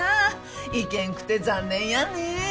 行けんくて残念やね。